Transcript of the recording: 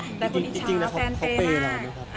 แล้วคุณอิชาแฟนเฟรน่า